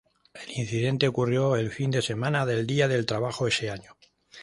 El incidente ocurrió el fin de semana del Día del Trabajo ese año.